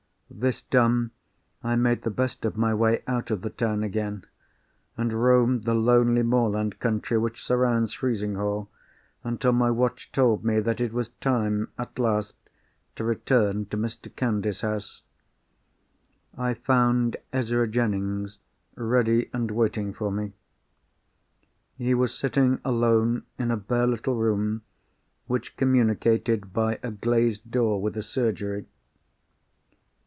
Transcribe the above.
This done, I made the best of my way out of the town again, and roamed the lonely moorland country which surrounds Frizinghall, until my watch told me that it was time, at last, to return to Mr. Candy's house. I found Ezra Jennings ready and waiting for me. He was sitting alone in a bare little room, which communicated by a glazed door with a surgery.